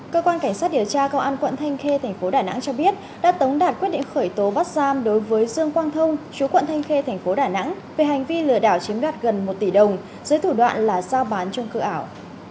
cơ quan cảnh sát điều tra công an quận thanh khê thành phố đà nẵng cho biết đã tống đạt quyết định khởi tố bắt giam đối với dương quang thông chú quận thanh khê thành phố đà nẵng về hành vi lừa đảo chiếm đoạt gần một tỷ đồng dưới thủ đoạn là giao bán trung cư ảo